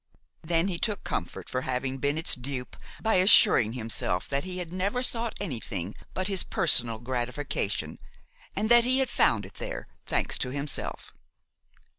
Then he took comfort for having been its dupe by assuring himself that he had never sought anything but his personal gratification; and that he had found it there, thanks to himself.